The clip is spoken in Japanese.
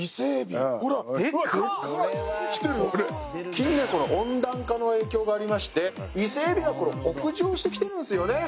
近年温暖化の影響がありまして伊勢エビが北上してきてるんすよね。